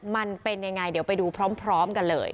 มันเป็นยังไงเดี๋ยวไปดูพร้อมกันเลย